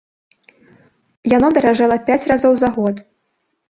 Яно даражэла пяць разоў за год!